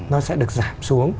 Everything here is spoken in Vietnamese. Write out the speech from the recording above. nó sẽ được giảm xuống